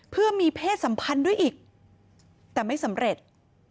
เพื่อมีเพศสัมพันธ์ด้วยอีกแต่ไม่สำเร็จ